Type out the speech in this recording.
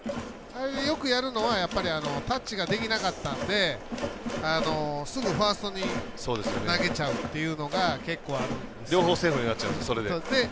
よくやるのはタッチができなかったんですぐファーストに投げちゃうっていうのが結構あるんですよね。